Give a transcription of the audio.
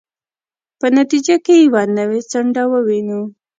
په نتیجه کې یوه نوې څنډه ووینو.